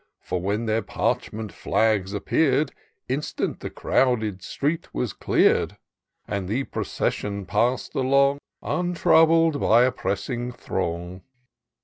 315 For when their parchment flags appear'd, Instant the crowded street was clear'd, And the procession pass'd along, Untroubled by a pressing throng.